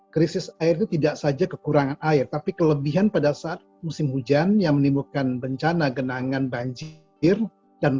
krisis air itu tidak saja kekurangan air tapi kelebihan pada saat musim hujan yang menimbulkan bencana genangan banjir